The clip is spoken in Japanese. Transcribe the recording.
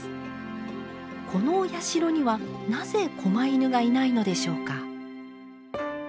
このお社にはなぜこま犬がいないのでしょうか。